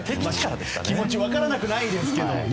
気持ち分からなくはないですけどね。